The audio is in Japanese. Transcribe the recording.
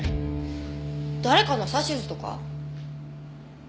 誰かの指図とか？